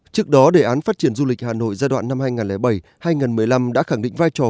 trước đó đề án phát triển du lịch hà nội giai đoạn năm hai nghìn bảy hai nghìn một mươi năm đã khẳng định vai trò